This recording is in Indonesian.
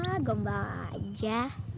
ah gombang aja